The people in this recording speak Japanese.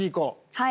はい。